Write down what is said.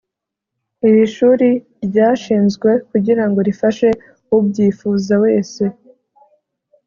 iri shuri ryashinzwe kugirango rifashe ubyifuza wese